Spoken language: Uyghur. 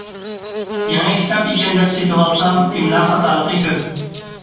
يېڭى كىتاب ئىكەن دەپ سېتىۋالسام ئىملا خاتالىقى كۆپ.